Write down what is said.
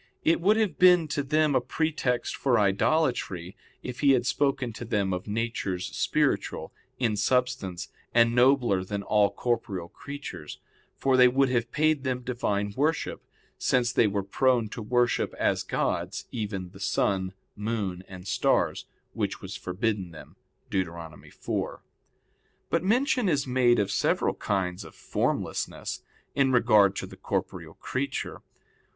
It would have been to them a pretext for idolatry if he had spoken to them of natures spiritual in substance and nobler than all corporeal creatures; for they would have paid them Divine worship, since they were prone to worship as gods even the sun, moon, and stars, which was forbidden them (Deut. 4). But mention is made of several kinds of formlessness, in regard to the corporeal creature.